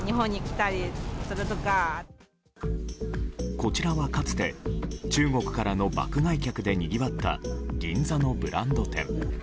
こちらは、かつて中国からの爆買い客でにぎわった銀座のブランド店。